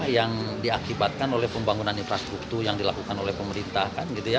yang diakibatkan oleh pembangunan infrastruktur yang dilakukan oleh pemerintah kan gitu ya